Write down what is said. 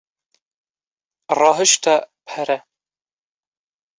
Rahişte pere.